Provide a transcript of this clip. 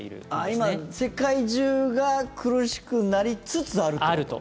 今、世界中が苦しくなりつつあると。